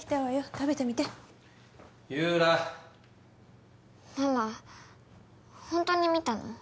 食べてみてゆらママホントに見たの？